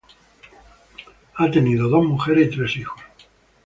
Ha tenido dos mujeres y tres hijos.